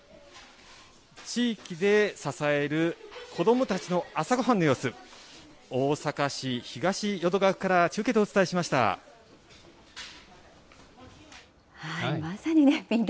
地域で支える子どもたちの朝ごはんの様子、大阪市東淀川区から中継でお伝えしました。